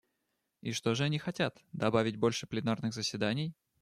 И что же они хотят — добавить больше пленарных заседаний?